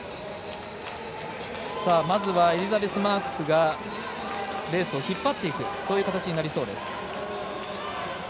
まずは、エリザベス・マークスがレースを引っ張っていくそういう形になりそうです。